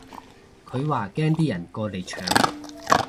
佢話驚啲人過嚟搶